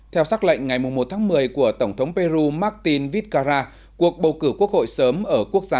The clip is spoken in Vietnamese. theo xác lệnh ngày một tháng một mươi của tổng thống peru martin viskara cuộc bầu cử quốc hội sớm ở quốc gia